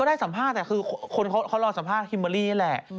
ได้สัมภาษณ์แต่คือคนเขารอสัมภาษณ์คิมเบอร์รี่นี่แหละ